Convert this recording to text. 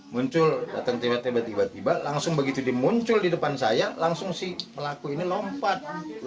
muncul datang tiba tiba langsung begitu muncul di depan saya langsung si pelaku ini lompat